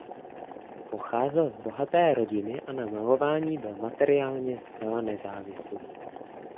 Pocházel z bohaté rodiny a na malování byl materiálně zcela nezávislý.